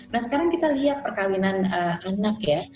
nah sekarang kita lihat perkawinan anak ya